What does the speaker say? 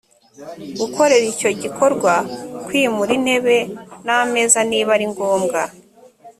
gukorera icyo gikorwa kwimura intebe n ameza niba ari ngombwa